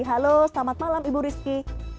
halo selamat malam ibu rizky